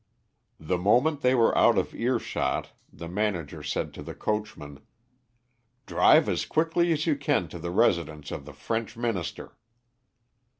The moment they were out of earshot the manager said to the coachman "Drive as quickly as you can to the residence of the French Minister."